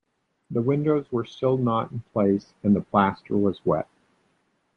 The windows were still not in place and the plaster was wet.